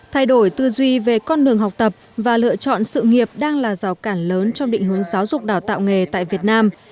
thay đổi tư duy về con đường học tập và lựa chọn sự nghiệp đang là rào cản lớn trong định hướng giáo dục đào tạo nghề tại việt nam